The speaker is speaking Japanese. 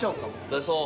出そう。